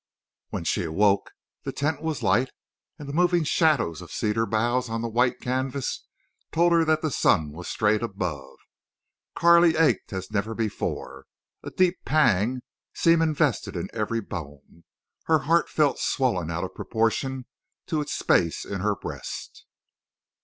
When she awoke the tent was light and the moving shadows of cedar boughs on the white canvas told that the sun was straight above. Carley ached as never before. A deep pang seemed invested in every bone. Her heart felt swollen out of proportion to its space in her breast.